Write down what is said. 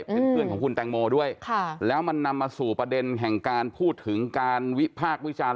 เป็นเพื่อนของคุณแตงโมด้วยแล้วมันนำมาสู่ประเด็นแห่งการพูดถึงการวิพากษ์วิจารณ